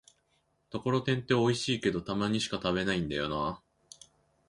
ところてんっておいしいけど、たまにしか食べないんだよなぁ